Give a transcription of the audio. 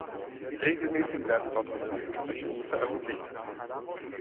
Regelmäßig werden dort auch Buchbesprechungen veröffentlicht.